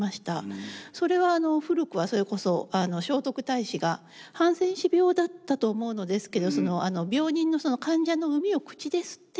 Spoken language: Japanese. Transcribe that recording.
それは古くはそれこそ聖徳太子がハンセン氏病だったと思うのですけど病人の患者のうみを口で吸って。